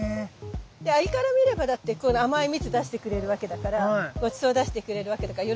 アリから見ればだってこの甘い蜜出してくれるわけだからごちそう出してくれるわけだから喜んで来るよね。